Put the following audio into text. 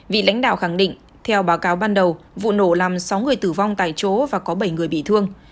vị lãnh đạo khẳng định theo báo cáo ban đầu vụ nổ làm sáu người tử vong tại chỗ và có bảy người bị thương